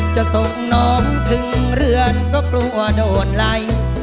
จะตกน้อมถึงเรือนก็กลัวโดนไล่